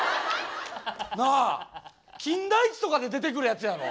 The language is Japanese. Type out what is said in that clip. なあ「金田一」とかで出てくるやつやろ。